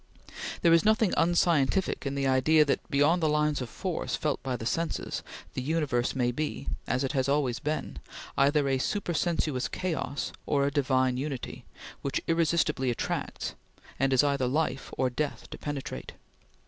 There is nothing unscientific in the idea that, beyond the lines of force felt by the senses, the universe may be as it has always been either a supersensuous chaos or a divine unity, which irresistibly attracts, and is either life or death to penetrate.